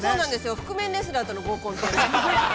覆面レスラーとの合コンって。